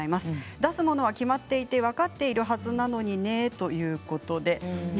出すものは決まって分かっているはずなのにということです。